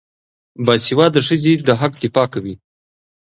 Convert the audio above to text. باسواده ښځې د حق دفاع کوي.